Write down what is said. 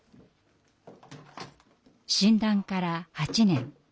診断から８年。